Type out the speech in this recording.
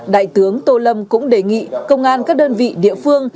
đại tướng tô lâm cũng đề nghị công an các đơn vị địa phương